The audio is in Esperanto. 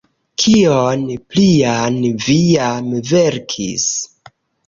Kion plian vi jam verkis?